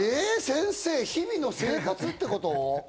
先生、日々の生活ってこと？